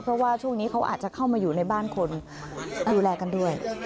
เพราะว่าช่วงนี้เขาอาจจะเข้ามาอยู่ในบ้านคนดูแลกันด้วย